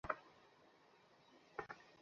তাঁকে কোথাও খুঁজে পাওয়া যাচ্ছে না।